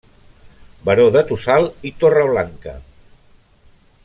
Baró de Tossal i Torreblanca.